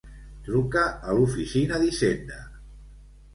Truca a l'oficina d'hisenda.